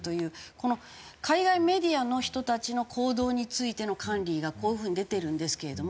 この海外メディアの人たちの行動についての管理がこういう風に出てるんですけれども。